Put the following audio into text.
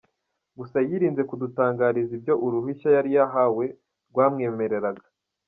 Gusa yirinze kudutangariza ibyo uruhushya yari yahawe rwamwemereraga.